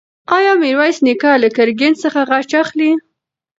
ایا میرویس نیکه له ګرګین څخه غچ اخلي؟